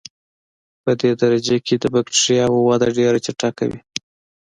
پدې درجه کې د بکټریاوو وده ډېره چټکه وي.